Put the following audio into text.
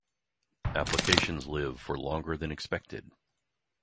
Applications live for longer than expected.